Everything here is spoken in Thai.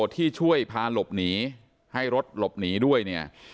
ที่ช่วยพาหลบหนีให้รถหลบหนีด้วยเนี่ย